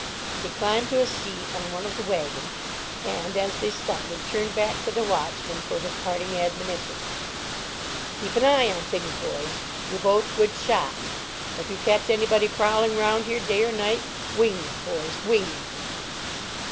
He climbed to a seat on one of the wagons, and, as they started, turned back to the watchmen for his parting admonition: "Keep an eye on things, boys! You're both good shots; if you catch anybody prowling 'round here, day or night, wing him, boys, wing him!"